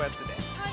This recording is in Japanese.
はい。